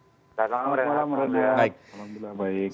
selamat malam mas elvan